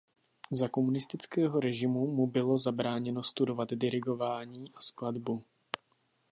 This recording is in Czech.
Za komunistického režimu mu bylo zabráněno studovat dirigování a skladbu.